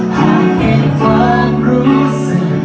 ให้เห็นความรู้สึก